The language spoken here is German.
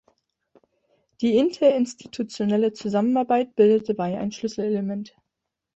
Die interinstitutionelle Zusammenarbeit bildet dabei ein Schlüsselelement.